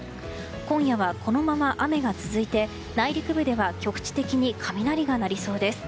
今夜はこのまま雨が続いて内陸部では局地的に雷が鳴りそうです。